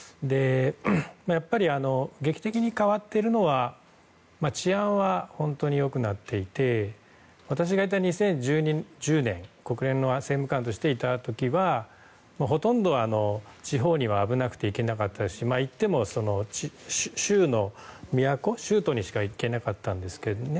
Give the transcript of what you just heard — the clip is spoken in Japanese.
やっぱり劇的に変わっているのは治安は本当に良くなっていて私がいた２０１０年国連の政務官としていた時はほとんど地方には危なくて行けなかったですし行っても、州都にしか行けなかったんですけどね。